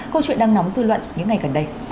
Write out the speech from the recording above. câu chuyện đang nóng dư luận những ngày gần đây